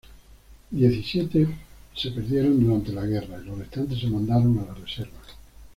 Diecisiete se perdieron durante la guerra y los restantes se mandaron a la reserva.